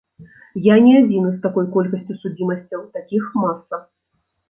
Я не адзіны з такой колькасцю судзімасцяў, такіх маса.